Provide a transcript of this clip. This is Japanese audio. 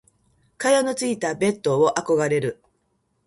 蚊帳のついたベット憧れる。